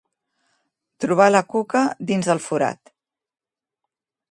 Trobar la cuca dins del forat.